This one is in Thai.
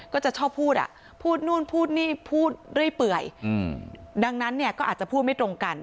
ก็จะชอบพูดอ่ะพูดนู่นพูดนี่พูดเรื่อยเปื่อยดังนั้นเนี่ยก็อาจจะพูดไม่ตรงกัน